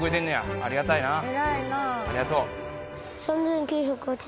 ありがとう。